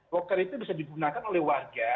loker itu bisa digunakan oleh warga